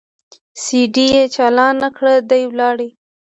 سي ډي يې چالانه کړه دى ولاړ.